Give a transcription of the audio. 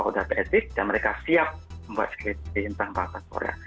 sudah teat dan mereka siap membuat skripsi tentang bahasa korea